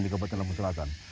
di kabupaten lampung selatan